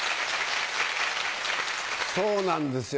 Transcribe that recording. そうなんですよ